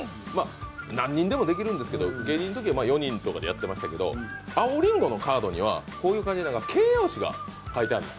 何人でもできるんですけど芸人では４人とかでやりましたけど青リンゴのカードには形容詞が書いてあるんです。